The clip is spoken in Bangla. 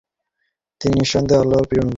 তিনি নিঃসন্দেহে আল্লাহর প্রিয়নবী।